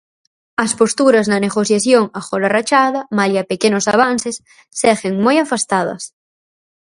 As posturas na negociación agora rachada, malia pequenos avances, seguen moi afastadas.